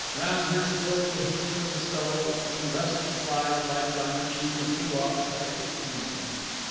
Round her swirled the heat from the stove, and restless flies lighted on her cheek and flew off at hectic tangents.